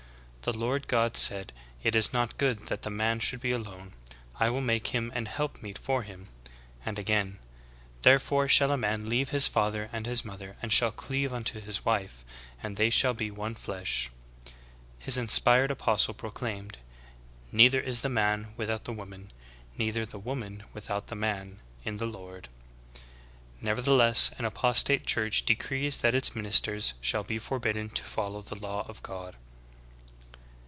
'The Lord God said, It is not good that the man should be alone ; I will make him an help meet for him,"'' and again "Therefore shall a man leave his father and his mother, and shall cleave unto his wife ; and they shall be one flesh."'" His inspired apostle pro claimed : ''Neither is the man without the woman, neither the woman without the man, in the Lord."" Nevertheless an apostate church decrees that its ministers shall be forbidden to follow the law of God.